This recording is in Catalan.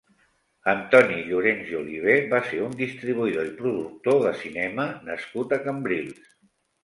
Antoni Llorens i Olivé va ser un distribuïdor i productor de cinema nascut a Cambrils.